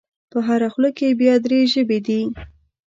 په هره خوله کې یې بیا درې ژبې دي.